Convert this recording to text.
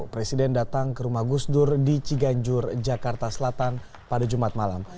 presiden datang ke rumah gusdur di ciganjur jakarta selatan pada jumat malam